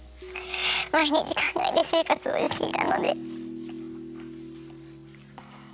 毎日考えて生活をしていたので。